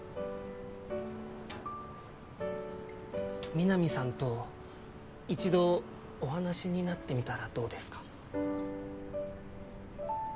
みなみさんと一度お話しになってみたらどうですか？